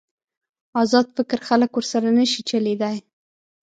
ازاد فکر خلک ورسره نشي چلېدای.